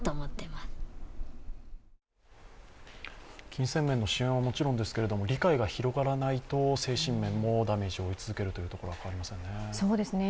金銭面の支援はもちろんですけれども、理解が広がらないと精神面もダメージを負い続けるということですね。